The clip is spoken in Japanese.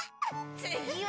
つぎは！